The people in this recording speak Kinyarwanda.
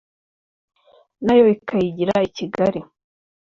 nayo ikayigira i Kigali